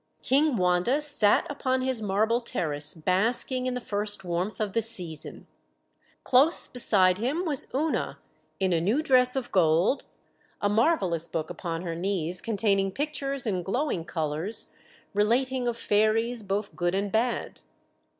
King Wanda sat upon his marble terrace basking in the first warmth of the season. Close beside him was Oona in a new dress of gold, a marvellous book upon her knees containing pictures in glowing colours, relating of fairies, both good and bad.